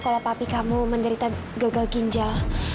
kalau papi kamu menderita gagal ginjal